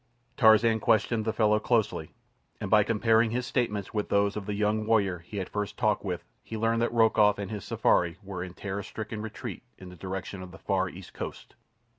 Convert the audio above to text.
Tarzan questioned the fellow closely, and by comparing his statements with those of the young warrior he had first talked with he learned that Rokoff and his safari were in terror stricken retreat in the direction of the far East Coast.